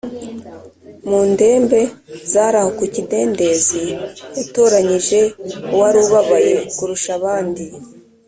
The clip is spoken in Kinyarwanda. Mu ndembe zari aho ku kidendezi yatoranyije uwari ubabaye kurusha abandi